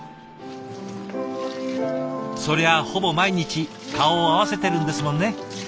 そりゃあほぼ毎日顔を合わせてるんですもんね。